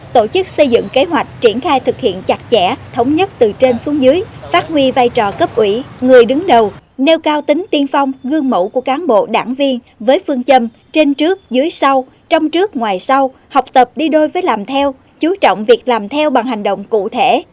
tổ chức xây dựng kế hoạch triển khai thực hiện chặt chẽ thống nhất từ trên xuống dưới phát huy vai trò cấp ủy người đứng đầu nêu cao tính tiên phong gương mẫu của cán bộ đảng viên với phương châm trên trước dưới sau trong trước ngoài sau học tập đi đôi với làm theo chú trọng việc làm theo bằng hành động cụ thể